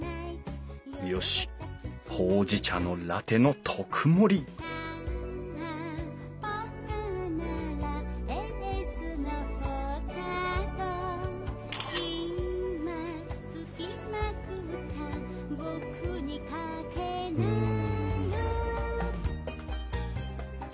よしほうじ茶のラテの特盛りうん。